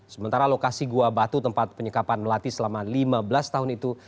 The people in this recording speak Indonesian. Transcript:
sementara lokasi gua batu tempat penyekapan melati selama lima belas tahun itu